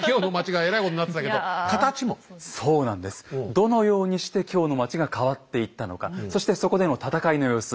どのようにして京の街が変わっていったのかそしてそこでの戦いの様子